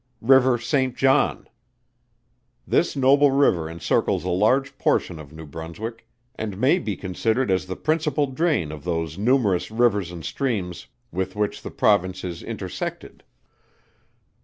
RIVER SAINT JOHN. This noble river encircles a large portion of New Brunswick, and may be considered as the principal drain of those numerous rivers and streams with which the Province is intersected.